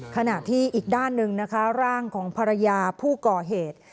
ขณะที่อีกด้านหนึ่งนะคะร่างของภรรยาผู้ก่อเหตุ